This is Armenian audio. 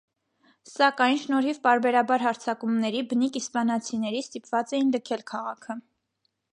Սակայն, շնորհիվ պարբերաբար հարձակումների, բնիկ իսպանացիների ստիպված էին լքել քաղաքը։